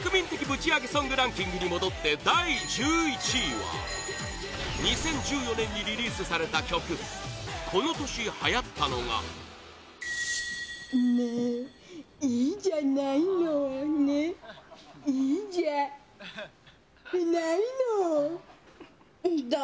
ぶちアゲソングランキングに戻って第１１位は、２０１４年にリリースされた曲この年、はやったのが細貝：ねえ、いいじゃないのねえ、いいじゃないの。